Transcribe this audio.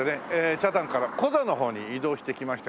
北谷からコザの方に移動してきました